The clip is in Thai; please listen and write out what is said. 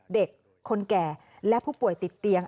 เด็กคนแก่และผู้ป่วยติดเตียง